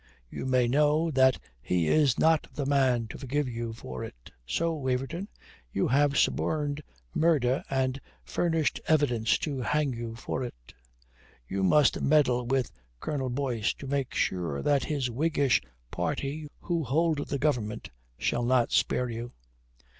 You may know that he is not the man to forgive you for it. So, Waverton. You have suborned murder and furnished evidence to hang you for it. You must meddle with Colonel Boyce to make sure that his Whiggish party who hold the government shall not spare you.